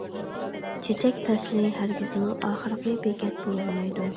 چېچەك پەسلى ھەرگىزمۇ ئاخىرقى بېكەت بولالمايدۇ.